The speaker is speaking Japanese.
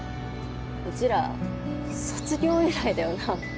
うちら卒業以来だよな？